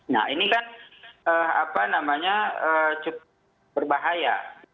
nah ini kan apa namanya cukup berbahaya